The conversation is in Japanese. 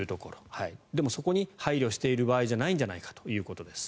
でも、そこに配慮している場合じゃないんじゃないかということです。